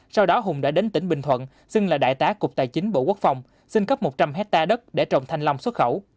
sau đó hùng đã đến tỉnh bình thuận xưng là đại tá cục tài chính bộ quốc phòng xin cấp một trăm linh hectare đất để trồng thanh long xuất khẩu